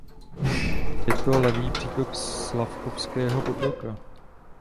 Je to levý přítok Slavkovského potoka.